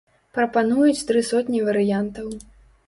Прапануюць тры сотні варыянтаў.